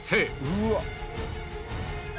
うわっ！